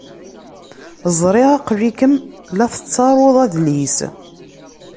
Ẓriɣ aql-ikem la tettaruḍ adlis.